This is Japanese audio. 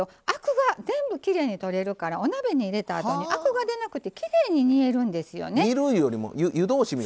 アクが全部、きれいに取れるから、お鍋に入れたあとにあくが出なくてきれいに煮えるんです。